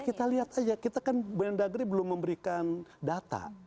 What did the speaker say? kita lihat saja kita kan bnd belum memberikan data